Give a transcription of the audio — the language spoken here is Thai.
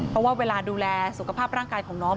เพราะว่าเวลาดูแลสุขภาพร่างกายของน้อง